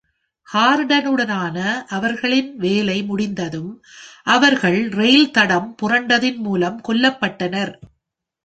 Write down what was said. ஹார்டனுடனான அவர்களின் வேலை முடிந்ததும், அவர்கள் ரயில் தடம் புரண்டதின் மூலம் கொல்லப்பட்டனர்.